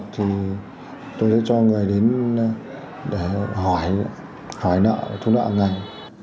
tôi sẽ cho người đến để hỏi nợ thu nợ ngay